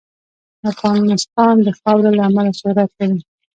افغانستان د خاوره له امله شهرت لري.